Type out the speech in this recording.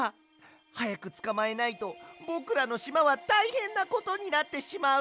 はやくつかまえないとぼくらのしまはたいへんなことになってしまう。